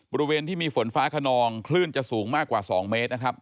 บริเวณที่มีฝนฟ้าขนองคลื่นจะสูงมากกว่า๒เมตรนะครับ